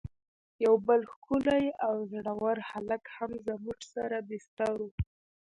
یو بل ښکلی او زړه ور هلک هم زموږ سره بستر و.